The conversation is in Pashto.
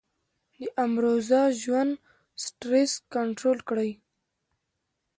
د امروزه ژوند سټرېس کنټرول کړي -